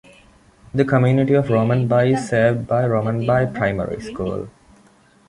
The Community of Romanby is served by Romanby Primary School.